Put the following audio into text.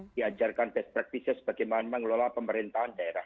diajarkan best practices bagaimana mengelola pemerintahan daerah